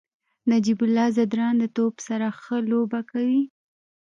نجیب الله زدران د توپ سره ښه لوبه کوي.